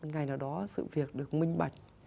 ngày nào đó sự việc được minh bạch